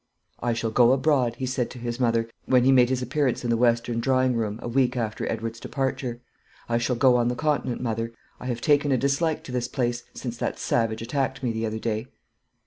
"I shall go abroad," he said to his mother, when he made his appearance in the western drawing room, a week after Edward's departure. "I shall go on the Continent, mother; I have taken a dislike to this place, since that savage attacked me the other day."